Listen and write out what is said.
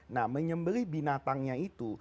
nah menyembeli binatangnya itu